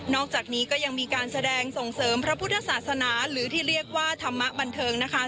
อกจากนี้ก็ยังมีการแสดงส่งเสริมพระพุทธศาสนาหรือที่เรียกว่าธรรมะบันเทิงนะคะ